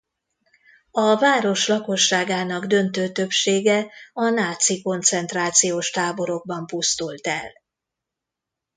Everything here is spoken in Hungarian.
A város lakosságának döntő többsége a náci koncentrációs táborokban pusztult el.